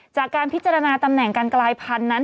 จากการพิจารณาตำแหน่งการกลายพันธุ์นั้น